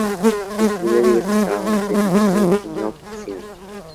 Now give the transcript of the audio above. Escribió diversos trabajos de ficción y no-ficción.